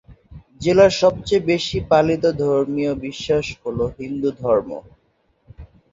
জেলার সবচেয়ে বেশি পালিত ধর্মীয় বিশ্বাস হল হিন্দু ধর্ম।